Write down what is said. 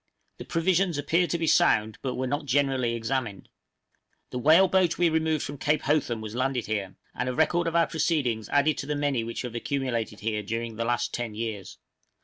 The provisions appeared to be sound, but were not generally examined. The whale boat we removed from Cape Hotham was landed here, and a record of our proceedings added to the many which have accumulated here during the last ten years.